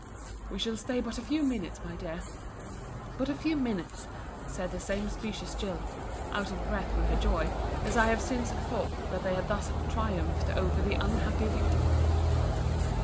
We shall stay but a few minutes, my dear!—but a few minutes! said the same specious jilt—out of breath with her joy, as I have since thought, that they had thus triumphed over the unhappy victim!